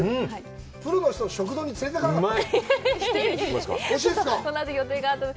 プロの人、食堂に連れていかなかったの？